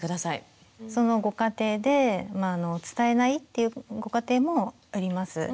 そのご家庭で伝えないっていうご家庭もあります。